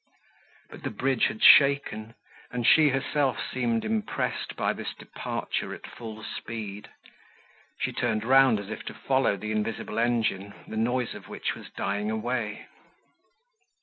But the bridge had shaken, and she herself seemed impressed by this departure at full speed. She turned round as if to follow the invisible engine, the noise of which was dying away.